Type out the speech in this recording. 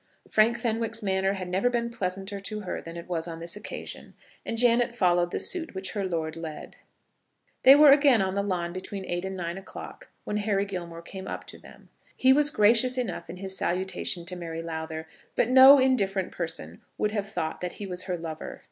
Frank Fenwick's manner had never been pleasanter to her than it was on this occasion, and Janet followed the suit which her lord led. They were again on the lawn between eight and nine o'clock when Harry Gilmore came up to them. He was gracious enough in his salutation to Mary Lowther, but no indifferent person would have thought that he was her lover.